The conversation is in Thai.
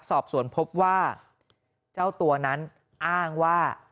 สอบสวนพบว่าเจ้าตัวนั้นอ้างว่า